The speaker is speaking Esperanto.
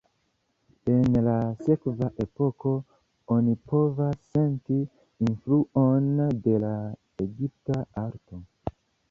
En la sekva epoko, oni povas senti influon de la egipta arto.